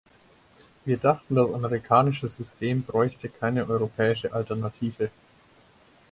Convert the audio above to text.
Wir dachten, das amerikanische System bräuchte keine europäische Alternative.